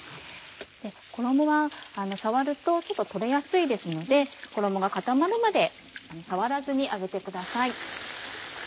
衣は触ると取れやすいですので衣が固まるまで触らずに揚げてください。